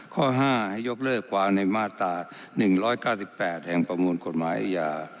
ข้อ๕ให้ยกเลิกความในมาตรา๑๙๘แห่งประมวลกฎหมายอาญา